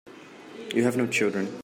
You have no children.